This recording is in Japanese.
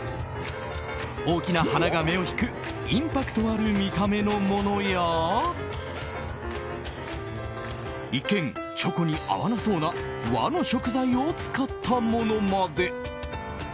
大きな花が目を引くインパクトのある見た目のものや一見、チョコに合わなそうな和の食材を使ったものまで。